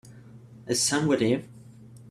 Is Sam with you?